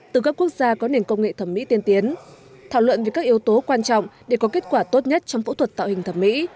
từ các quốc gia có nền công nghệ thẩm mỹ tiên tiến thảo luận về các yếu tố quan trọng để có kết quả tốt nhất trong phẫu thuật tạo hình thẩm mỹ